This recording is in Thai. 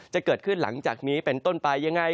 จะเกิดขึ้นหลังจากนี้เป็นต้นไปยังไง